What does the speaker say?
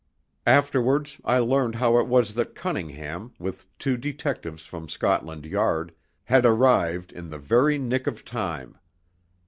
Afterwards I learned how it was that Cunningham, with two detectives from Scotland Yard, had arrived in the very "nick of time."